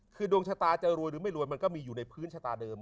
คือดวงชะตาจะรวยหรือไม่รวยมันก็มีอยู่ในพื้นชะตาเดิม